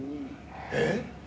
えっ。